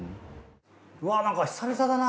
うわなんか久々だな